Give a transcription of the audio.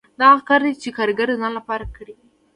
دا هغه کار دی چې کارګر د ځان لپاره کړی وي